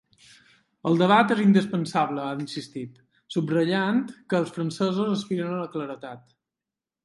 “El debat és indispensable”, ha insistit, subratllant que “els francesos aspiren a la claredat”.